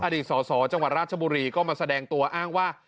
อดีตสอสอจังหวัดราชบุรีก็มาแสดงตัวอ้างว่า